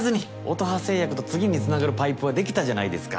乙葉製薬と次につながるパイプは出来たじゃないですか。